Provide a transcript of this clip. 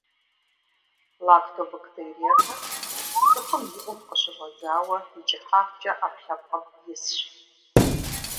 Лактобактериехэр – цӏыхум и ӏум къыщыщӏэдзауэ икӏыхьагъкӏэ ӏэпкълъэпкъым исщ.